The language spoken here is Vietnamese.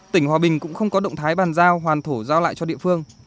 tỉnh hòa bình cũng không có động thái bàn giao hoàn thổ giao lại cho địa phương